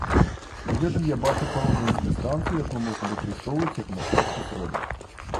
У гэтым я бачу пэўную дыстанцыю, якую можна выкарыстоўваць як мастацкі сродак.